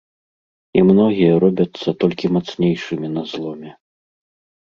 І многія робяцца толькі мацнейшымі на зломе.